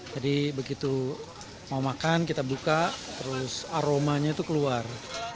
jadi begitu mau makan kita buka terus aromanya itu keluar